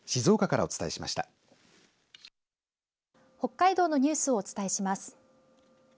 北海道のニュースをお伝えします。